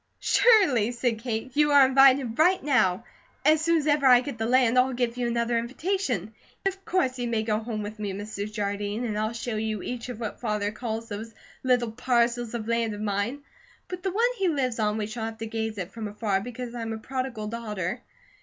"Surely," said Kate, "you are invited right now; as soon as I ever get the land, I'll give you another invitation. And of course you may go home with me, Mr. Jardine, and I'll show you each of what Father calls 'those little parcels of land of mine.' But the one he lives on we shall have to gaze at from afar, because I'm a Prodigal Daughter.